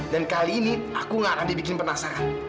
dan kali ini aku nggak akan dibikin penasaran